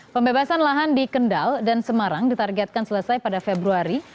pembebasan lahan di kendal dan semarang ditargetkan selesai pada februari